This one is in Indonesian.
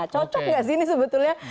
cocok nggak sih ini sebetulnya